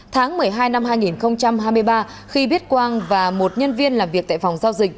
tháng một mươi hai năm hai nghìn hai mươi ba khi biết quang và một nhân viên làm việc tại phòng giao dịch